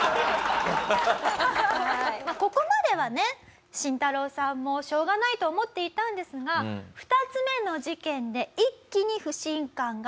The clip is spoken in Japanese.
ここまではねシンタロウさんもしょうがないと思っていたんですが２つ目の事件で一気に不信感が募ります。